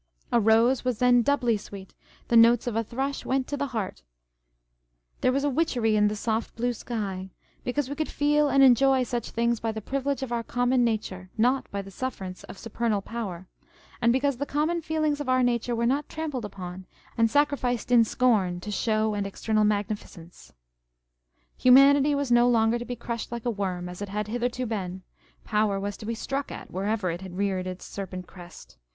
A rose was then doubly sweet, the notes of a thrush went to the heart, there was " a witchery in the soft blue sky," because we could feel and enjoy such things by the privilege of our common nature, " not by the sufferance of supernal power," and because the common feelings of our nature were not trampled upon and sacrificed in scorn to show and external magnificence. Humanity was no longer to be crushed like a worm, as it had hitherto been â€" power was to be struck at, wherever it reared its serpent crest.